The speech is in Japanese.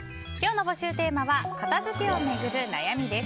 募集テーマは片付けをめぐる悩みです。